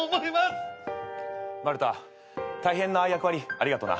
丸田大変な役割ありがとな。